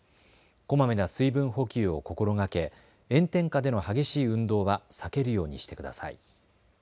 こまめな水分補給を心がけ炎天下での激しい運動は避けるようにしてください。